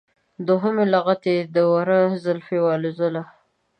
دوهمې لغتې د وره زولفی والوزوله.